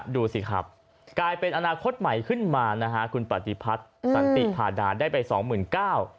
ดูสิครับกลายเป็นอนาคตใหม่ขึ้นมานะฮะคุณปฏิพัฒน์สันติพาดาได้ไปสองหมื่นเก้า